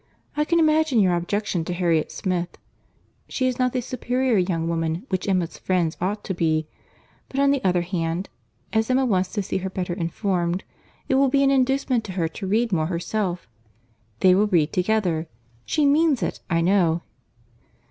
I can imagine your objection to Harriet Smith. She is not the superior young woman which Emma's friend ought to be. But on the other hand, as Emma wants to see her better informed, it will be an inducement to her to read more herself. They will read together. She means it, I know."